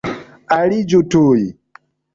Aliĝu tuj!